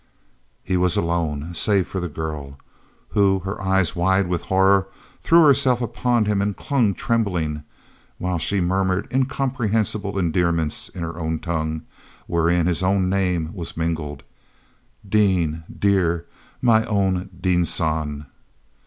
He was alone, save for the girl, who, her eyes wide with horror, threw herself upon him and clung trembling, while she murmured incomprehensible endearments in her own tongue wherein his own name was mingled: "Dean, dear! My own Dean San!"